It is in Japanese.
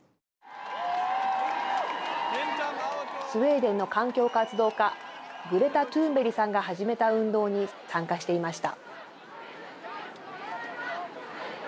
スウェーデンの環境活動家グレタ・トゥーンベリさんが始めた運動に参加していました。